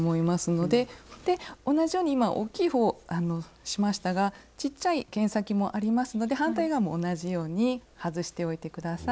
で同じように今おっきい方をしましたがちっちゃい剣先もありますので反対側も同じように外しておいて下さい。